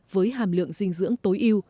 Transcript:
với hàm lượng dinh dưỡng tối yêu